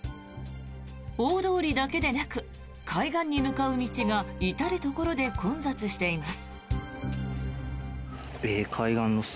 大通りだけでなく海岸に向かう道が至るところで混雑しています。